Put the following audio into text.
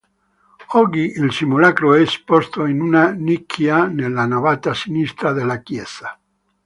Oggi il simulacro è esposto in una nicchia nella navata sinistra della chiesa.